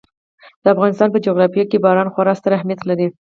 د افغانستان په جغرافیه کې باران خورا ستر اهمیت لري.